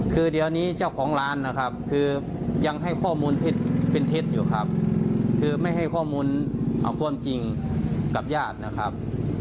คือเดี๋ยวนี้เจ้าของร้านนะครับคือยังให้ข้อมูลเท็จเป็นเท็จอยู่ครับคือไม่ให้ข้อมูลเอาความจริงกับญาตินะครับ